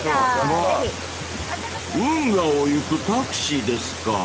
［運河を行くタクシーですか］